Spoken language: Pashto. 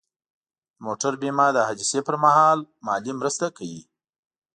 د موټر بیمه د حادثې پر مهال مالي مرسته کوي.